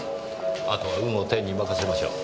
あとは運を天に任せましょう。